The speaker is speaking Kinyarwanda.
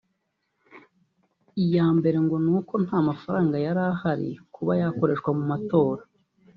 Iya mbere ngo n’uko nta mafaranga yari ahari kuba yakoreshwa mu matora